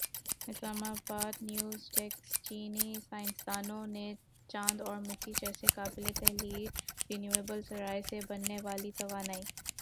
اسلام آبادنیو زڈیسکچینی سائنسدانوں نے چاند اور مٹی جیسے قابلِ تحلیل رینیوایبل ذرائع سے بننے والی توانائی